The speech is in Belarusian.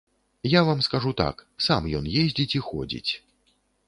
Я вам скажу так, сам ён ездзіць і ходзіць.